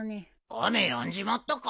雨やんじまったか？